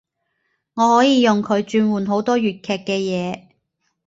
我可以用佢轉換好多粵劇嘅嘢